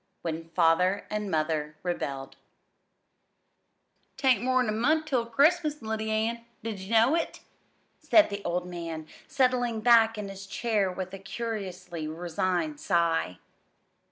When Father and Mother Rebelled "'Tain't more 'n a month ter Christmas, Lyddy Ann; did ye know it?" said the old man, settling back in his chair with a curiously resigned sigh.